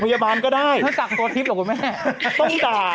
ต้องต่า